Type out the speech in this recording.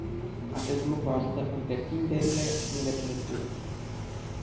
Acest lucru ajută întreprinderile, nu le pune piedici.